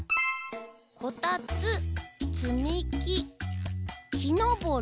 「こたつつみききのぼり」。